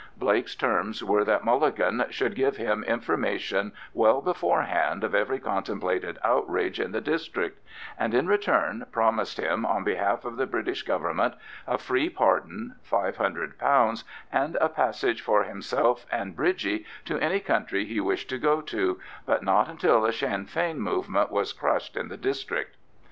Blake's terms were that Mulligan should give him information well beforehand of every contemplated outrage in the district, and, in return, promised him, on behalf of the British Government, a free pardon, £500, and a passage for himself and Bridgie to any country he wished to go to, but not until the Sinn Fein movement was crushed in the district.